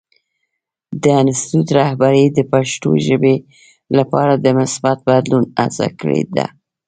د انسټیټوت رهبرۍ د پښتو ژبې لپاره د مثبت بدلون هڅه کړې ده.